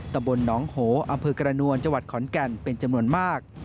ตำบลหนองโหอำเภอกระนวลจังหวัดขอนแก่นเป็นจำนวนมาก